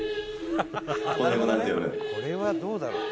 これはどうだろう？